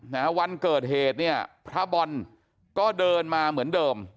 วันเกิดเหตุเนี่ยพระบอลก็เดินมาเหมือนเดิม